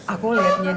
aku ngelihatnya dia